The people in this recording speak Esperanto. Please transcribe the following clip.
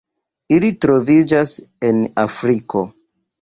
Ili troviĝas en Afriko.